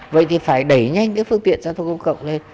vậy thì phải đẩy nhanh cái phương tiện giao thông công cộng lên